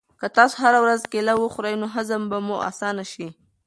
که تاسو هره ورځ کیله وخورئ نو هضم به مو اسانه شي.